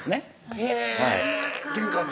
へぇ玄関で？